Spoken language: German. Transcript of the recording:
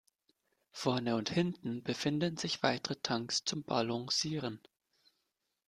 Vorne und hinten befinden sich weitere Tanks zum Balancieren.